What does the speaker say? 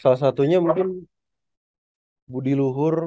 salah satunya mungkin budi luhur